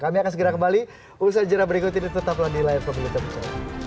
kami akan segera kembali usaha jejera berikut ini tetaplah di live from youtube